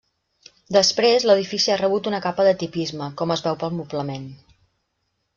Després l'edifici ha rebut una capa de tipisme, com es veu pel moblament.